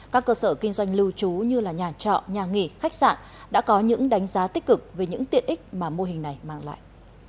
các cơ sở kinh doanh lưu trú như nhà trọ nhà nghỉ khách sạn đã có những đánh giá tích cực về những tiện ích mà mô hình này mang lại